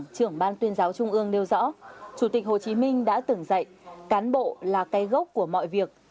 chủ tịch hồ chí minh đã tưởng dạy cán bộ là cây gốc của mọi việc